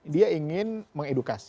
dia ingin mengedukasi